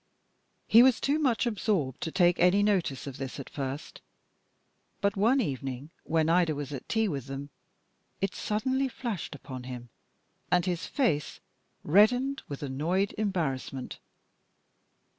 He was too much absorbed to take any notice of this at first, but, one evening when Ida was at tea with them, it suddenly flashed upon him, and his face reddened with annoyed embarrassment.